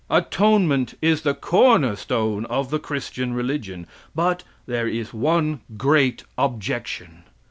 Atonement is the corner stone of the Christian religion. But there is one great objection.